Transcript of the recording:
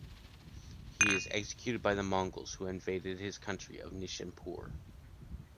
He is executed by the Mongols who have invaded his country at Nishâpûr.